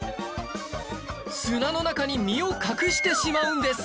砂の中に身を隠してしまうんです